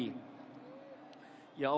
ya allah yang maha mendesak dan datang tiba tiba